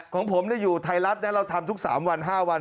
ของผมอยู่ไทรัฐเราทำทุก๓๕วันใช่ไหม